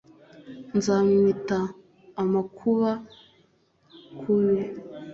Nza mwita amukunda kubi